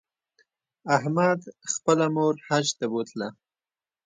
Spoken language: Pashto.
احمد خپله مور حج ته بوتله